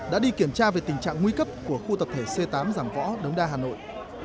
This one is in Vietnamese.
đã đi kiểm tra về tình trạng nguy cấp của khu tập thể c tám giảng võ đống đa hà nội